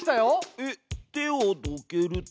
えっ手をどけると。